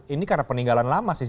ini karena peninggalan lama sih